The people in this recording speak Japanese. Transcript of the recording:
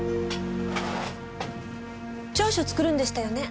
調書作るんでしたよね？